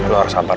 lu harus sabar